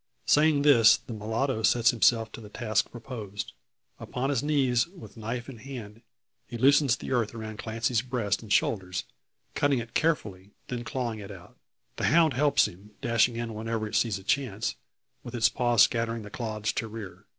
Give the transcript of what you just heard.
Saying this, the mulatto sets himself to the task proposed. Upon his knees with knife in hand, he loosens the earth around Clancy's breast and shoulders, cutting it carefully, then clawing it out. The hound helps him, dashing in whenever it sees a chance, with its paws scattering the clods to rear.